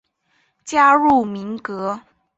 加入民革。